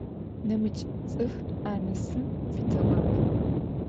Нэмыкӏ цӏыф анэсын фитыгъэп.